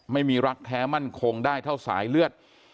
ไม่มีรักแท้มั่นคงได้เท่าสายเลือด